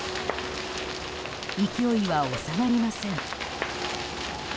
勢いは収まりません。